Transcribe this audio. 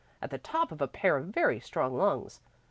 at the top of a pair of very strong lungs.